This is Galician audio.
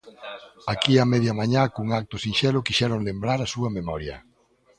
Aquí a media mañá cun acto sinxelo quixeron lembrar a súa memoria.